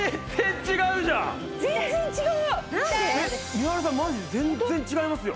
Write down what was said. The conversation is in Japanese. みはるさんマジで全然違いますよ。